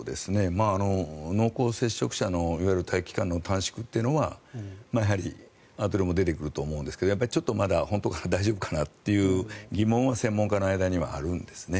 濃厚接触者のいわゆる待機期間の短縮というのはやはりあとでも出てくると思いますが本当かな、大丈夫かなという疑問は専門家の間にはあるんですね。